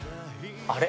あれ？